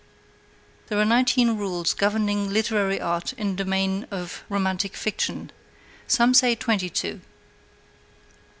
There are nineteen rules governing literary art in the domain of romantic fiction some say twenty two.